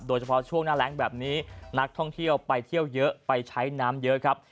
โดยเฉพาะช่วงหน้าแรงแบบนี้นักท่องเที่ยวไปเที่ยวเยอะไปใช้น้ำเยอะครับ